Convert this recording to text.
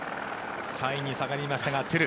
３位に下がりましたトゥル。